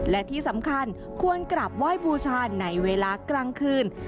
และที่สำคัญควรกลับไหว้บูชาในเวลากลางคืน